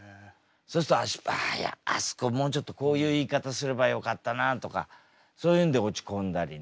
そうすると「あああそこもうちょっとこういう言い方すればよかったな」とかそういうんで落ち込んだりね。